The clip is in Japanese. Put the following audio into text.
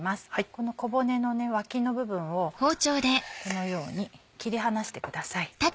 この小骨の脇の部分をこのように切り離してください。